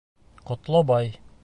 Ҡотлобай!